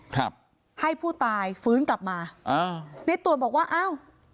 ครับให้ผู้ตายฟื้นกลับมาอ่าในตรวจบอกว่าอ้าว